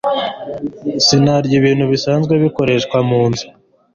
Izina ryibintu bisanzwe bikoreshwa munzu